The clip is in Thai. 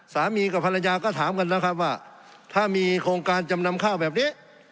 สามีกับภรรยาก็ถามกันนะครับว่าถ้ามีโครงการจำนำข้าวแบบนี้